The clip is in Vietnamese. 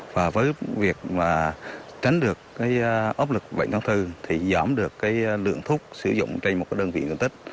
và với việc tránh được ốc lực bệnh tháng thư thì giảm được lượng thuốc sử dụng trên một đơn vị nguyên tích